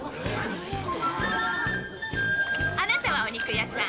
あなたはお肉屋さん。